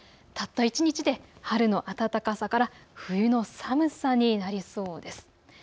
たった一日で春の暖かさから冬の寒さになりそうです。